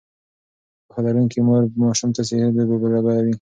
پوهه لرونکې مور ماشوم ته صحي لوبې برابروي.